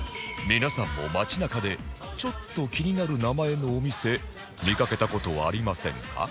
皆さんも街なかでちょっと気になる名前のお店見かけた事ありませんか？